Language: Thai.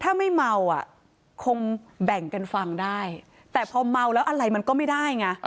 ถ้าไม่เมาอ่ะคงแบ่งกันฟังได้แต่พอเมาแล้วอะไรมันก็ไม่ได้ไง